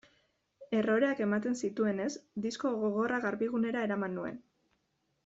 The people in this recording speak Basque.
Erroreak ematen zituenez, disko gogorra Garbigunera eraman nuen.